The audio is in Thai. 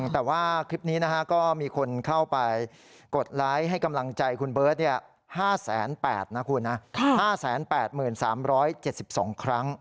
แต่ว่าคลิปนี้ก็มีคนเข้าไปกดไลค์ให้กำลังใจคุณเบิร์ต๕๘๐๐นะคุณนะ๕๘๓๗๒ครั้ง